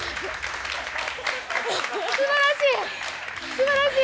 すばらしい！